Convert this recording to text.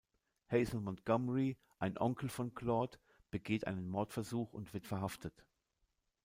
Hazel Montgomery, ein Onkel von Claude, begeht einen Mordversuch und wird verhaftet.